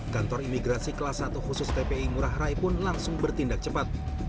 kantor imigrasi kelas satu khusus tpi ngurah rai pun langsung bertindak cepat